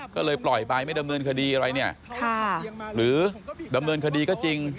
ก็เลยปล่อยไปไม่ดำเนินคดีอะไรเนี่ยหรือดำเนินคดีก็จริง